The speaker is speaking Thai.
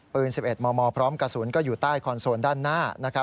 ปืน๑๑มมพร้อมกระสุนก็อยู่ใต้คอนโซลด้านหน้า